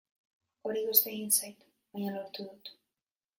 Hori kosta egin zait, baina lortu dut.